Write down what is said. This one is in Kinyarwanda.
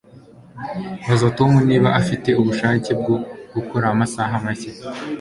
Baza Tom niba afite ubushake bwo gukora amasaha make